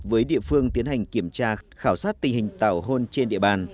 với địa phương tiến hành kiểm tra khảo sát tình hình tảo hôn trên địa bàn